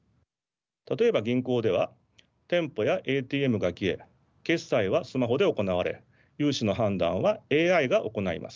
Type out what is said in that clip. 例えば銀行では店舗やＡＴＭが消え決済はスマホで行われ融資の判断はＡＩが行います。